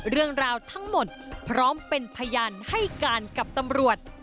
เรื่องราวทั้งหมดพร้อมเป็นพยานให้การกับตำรวจ